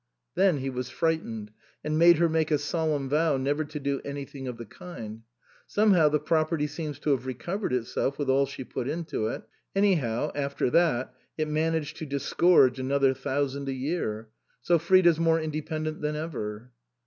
Then he was frightened, and made her make a solemn vow never to do any thing of the kind. Somehow the property seems to have recovered itself, with all she put into it ; anyhow, after that, it managed to dis gorge another thousand a year. So Frida's more independent than ever."